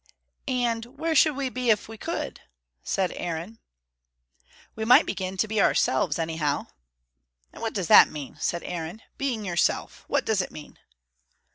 "And where should we be if we could?" said Aaron. "We might begin to be ourselves, anyhow." "And what does that mean?" said Aaron. "Being yourself what does it mean?"